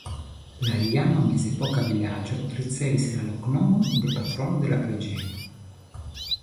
La iama mezepoka vilaĝo ricevis la loknomon de patrono de la preĝejo.